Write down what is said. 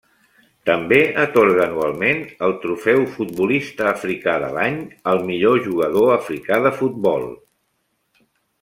També atorga anualment el trofeu Futbolista africà de l'any al millor jugador africà de futbol.